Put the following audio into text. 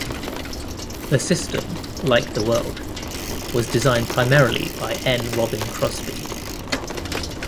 The system, like the world, was designed primarily by N. Robin Crossby.